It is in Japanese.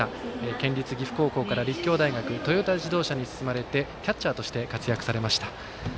県立岐阜高校から立教大学トヨタ自動車に進まれてキャッチャーとして活躍されました。